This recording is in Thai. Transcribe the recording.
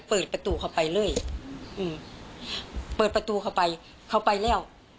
เปิดประตูเข้าไปเรื่อยอืมเปิดประตูเข้าไปเขาไปแล้ว